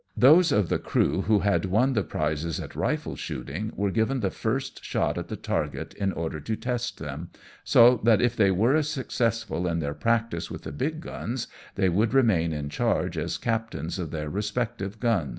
Those of the crew who had won the prizes at rifle shooting were given the first shot at the target in order to test them, so that if they were as successful in their practice with the big guns they would remain in charge as captains of their respective guns.